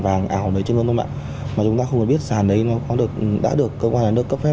vàng ảo lấy chứ không ạ mà chúng ta không biết sàn đấy nó có được đã được cơ quan được cấp phép